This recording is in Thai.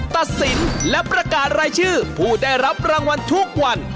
ตัดสินและประกาศรายชื่อผู้ได้รับรางวัลทุกวัน